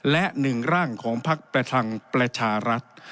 และ๑ร่างของพักประทังประชารัฐ